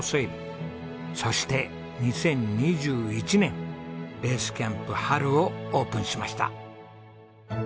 そして２０２１年ベースキャンプはるをオープンしました。